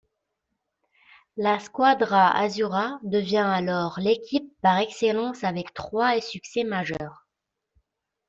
La Squadra Azzurra devient alors l'équipe par excellence avec trois succès majeurs.